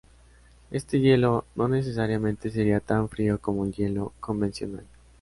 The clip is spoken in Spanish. Este hielo no necesariamente sería tan frío como el hielo convencional.